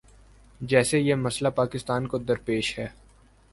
جیسے یہ مسئلہ پاکستان کو درپیش ہے۔